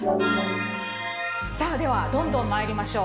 さあではどんどん参りましょう。